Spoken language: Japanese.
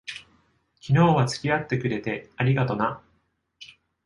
昨日は付き合ってくれて、ありがとな。